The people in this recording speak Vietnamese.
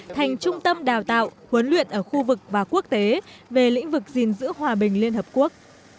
thành trung tâm đào tạo huấn luyện ở khu vực và quốc tế về lĩnh vực gìn giữ hòa bình liên hợp quốc